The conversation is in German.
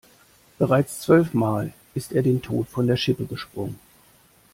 Bereits zwölf Mal ist er dem Tod von der Schippe gesprungen.